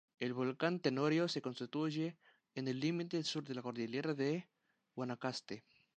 El volcán Tenorio se constituye en el límite sur de la Cordillera de Guanacaste.